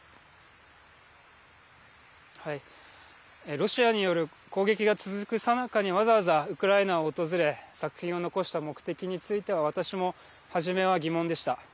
ロシアによる攻撃が続くさなかにわざわざ、ウクライナを訪れ作品を残した目的については私も初めは疑問でした。